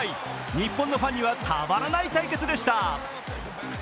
日本のファンにはたまらない対決でした。